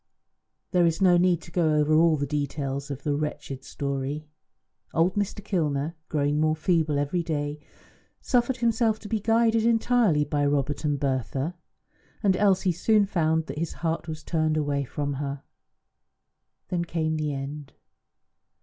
There is no need to go over all the details of the wretched story. Old Mr. Kilner, growing more feeble every day, suffered himself to be guided entirely by Robert and Bertha, and Elsie soon found that his heart was turned away from her. Then came the end.